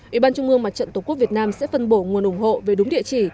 ủy ban trung ương mặt trận tổ quốc việt nam sẽ phân bổ nguồn ủng hộ về đúng địa chỉ